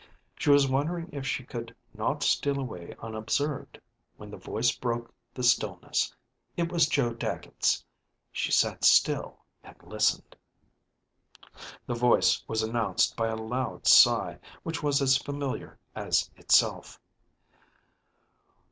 She was wondering if she could not steal away unobserved, when the voice broke the stillness. It was Joe Dagget's. She sat still and listened. The voice was announced by a loud sigh, which was as familiar as itself.